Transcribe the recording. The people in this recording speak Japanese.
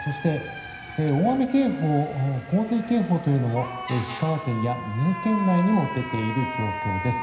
大雨警報、洪水警報も石川県や三重県内に出ている状況です。